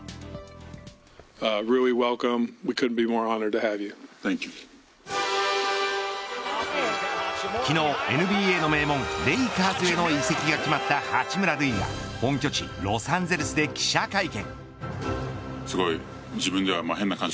入団会見で昨日ＮＢＡの名門レイカーズへの移籍が決まった八村塁は本拠地ロサンゼルスで記者会見。